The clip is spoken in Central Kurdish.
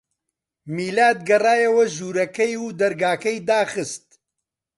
میلاد گەڕایەوە ژوورەکەی و دەرگاکەی داخست.